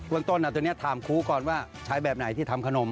เมืองต้นตัวนี้ถามครูก่อนว่าใช้แบบไหนที่ทำขนม